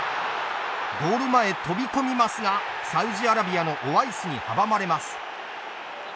ゴール前、飛び込みますがサウジアラビアのオワイスに阻まれます。